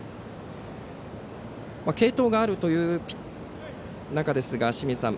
継投があるという中ですが清水さん